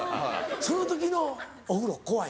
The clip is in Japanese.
その時のお風呂怖い。